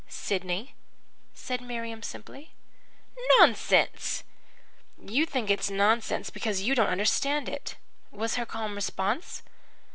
"'Sidney,' said Miriam simply. "'Nonsense!' "'You think it is nonsense because you don't understand it,' was her calm response.